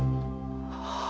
はあ。